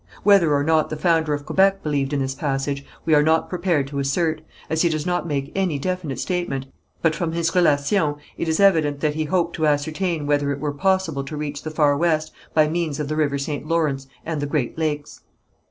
Whether or not the founder of Quebec believed in this passage, we are not prepared to assert, as he does not make any definite statement, but from his Relations it is evident that he hoped to ascertain whether it were possible to reach the far west by means of the river St. Lawrence and the Great Lakes.